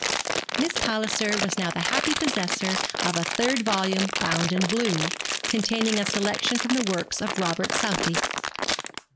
Miss Palliser was now the happy possessor of a third volume bound in blue, containing a selection from the works of Robert Southey.